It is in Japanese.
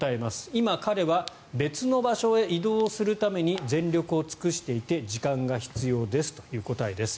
今、彼は別の場所へ移動するために全力を尽くしていて時間が必要ですという答えです。